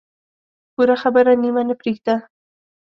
پوره خبره نیمه نه پرېږده.